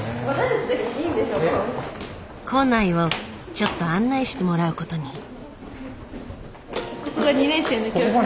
校内をちょっと案内してもらうことに。